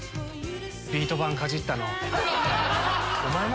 ビート板かじったの。